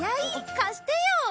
貸してよ。